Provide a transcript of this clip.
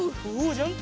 ジャンプ！